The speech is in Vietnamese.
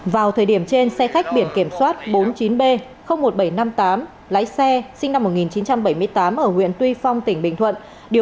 vào thời điểm trên xe khách biển kiểm soát bốn mươi chín b một nghìn bảy trăm năm mươi tám lái xe sinh năm một nghìn chín trăm bảy mươi tám ở huyện tuy phong tỉnh bình thuận